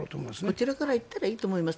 こちらから言ったらいいと思います。